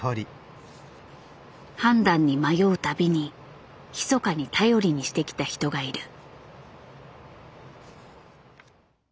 判断に迷うたびにひそかに頼りにしてきた人がいる。